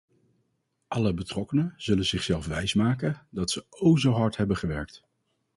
Alle betrokkenen zullen zichzelf wijsmaken dat ze o zo hard hebben gewerkt.